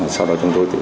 sau đó chúng tôi